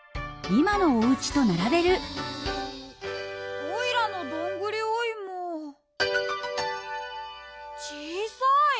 オイラのどんぐりおいもちいさい！